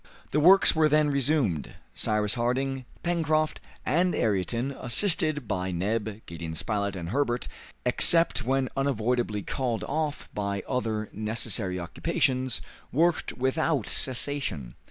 The works were then resumed. Cyrus Harding, Pencroft, and Ayrton, assisted by Neb, Gideon Spilett, and Herbert, except when unavoidably called off by other necessary occupations, worked without cessation.